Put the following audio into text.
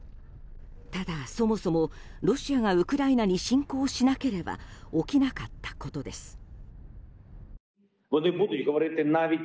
ただ、そもそもロシアがウクライナに侵攻しなければ起きなかったことです。